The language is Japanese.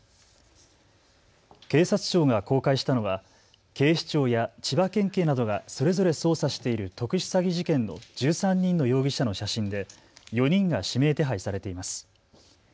警察庁が公開したのは警視庁や千葉県警などがそれぞれ捜査している特殊詐欺事件の１３人の容疑者の写真で４人が指名手配されています。